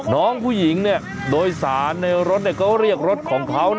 น้องผู้หญิงโดยสารในรถก็เรียกรถของเขา